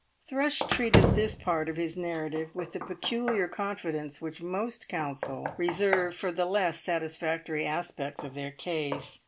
Thrush treated this part of his narrative with the peculiar confidence which most counsel reserve for the less satisfactory aspects of their case.